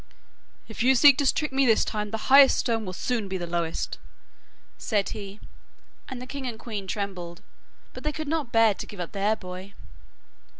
'If you seek to trick me this time, the highest stone will soon be the lowest,' said he, and the king and queen trembled, but they could not bear to give up their boy.